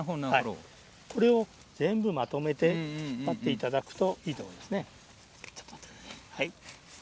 これを全部まとめて持っていただくといいと思います。